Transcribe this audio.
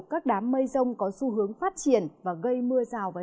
các đám mây rông có xu hướng phát triển và gây mưa rào